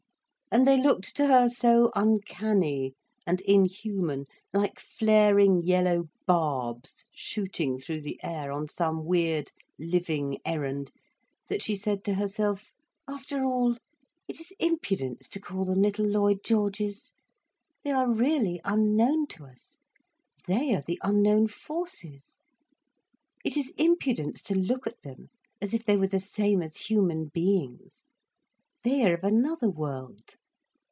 And they looked to her so uncanny and inhuman, like flaring yellow barbs shooting through the air on some weird, living errand, that she said to herself: "After all, it is impudence to call them little Lloyd Georges. They are really unknown to us, they are the unknown forces. It is impudence to look at them as if they were the same as human beings. They are of another world.